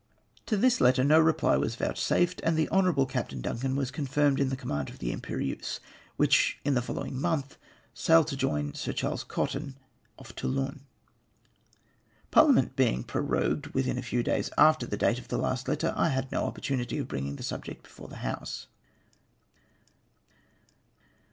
To this letter no reply was vouchsafed, and the Honourable CJaptain Dinican was confirmed in the command of the Impeneuse, which in the following month sailed to join Sir Charles Cotton off Tonlon. Parhament being prorogued within a few days after the date of the last letter, I had no opportunity of bringing the subject before the House.